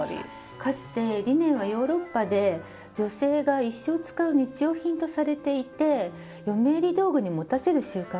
かつてリネンはヨーロッパで女性が一生使う日用品とされていて嫁入り道具に持たせる習慣があったんですね。